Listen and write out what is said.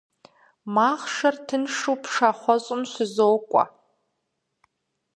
Махъшэр тыншу пшахъуэщӀым щызокӀуэ.